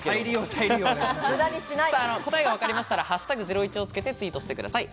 答えがわかりましたら「＃ゼロイチ」をつけてツイートしてください。